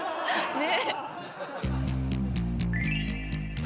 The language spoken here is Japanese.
ねえ。